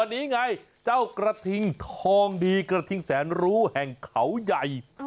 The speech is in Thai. นี่ไงเจ้ากระทิงทองดีกระทิงแสนรู้แห่งเขาใหญ่